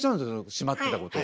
しまってたことを。